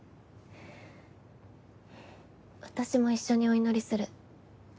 私も一緒にお祈りする。